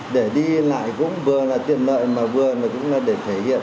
để đi lại cũng vừa là tiền lợi mà vừa là cũng là để thể hiện